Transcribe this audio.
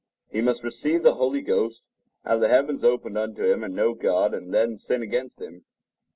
He must receive the Holy Ghost, have the heavens opened unto him, and know God, and then sin against Him.